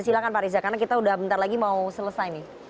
silahkan pak riza karena kita udah bentar lagi mau selesai nih